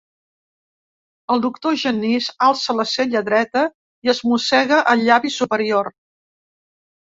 El doctor Genís alça la cella dreta i es mossega el llavi superior.